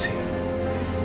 jadi gue harus berbuat baik